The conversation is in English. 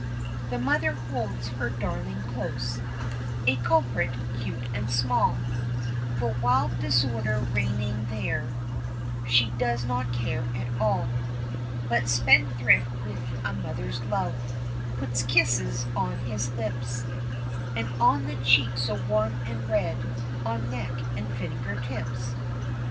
The mother holds her darling close A culprit, cute and small For wild disorder reigning there She does not care at all. But, spendthrift with a mother's love, Puts kisses on his lips, And on the cheeks so warm and red, On neck, and finger tips.